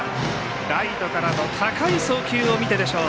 ライトからの高い送球を見てでしょう。